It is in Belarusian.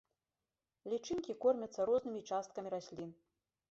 Лічынкі кормяцца рознымі часткамі раслін.